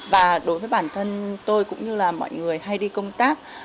và đối với bản thân tôi cũng như là mọi người hay đi công tác